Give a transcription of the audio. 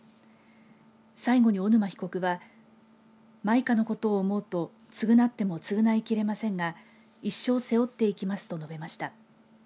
最後に小沼被告は舞香のことを思うと償っても償いきれませんが一生背負っていきますと述べました。